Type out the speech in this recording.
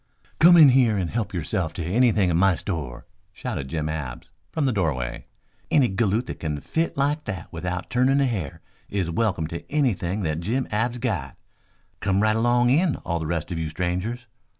"Come in here and help yourself to anything in my store," shouted Jim Abs from the doorway. "Any galoot that can fit like that without turnin' a hair is welcome to anything that Jim Abs's got. Come right along in, all the rest of you strangers.